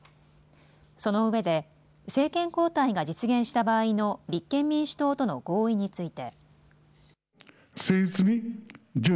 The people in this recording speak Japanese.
そのうえで政権交代が実現した場合の立憲民主党との合意について。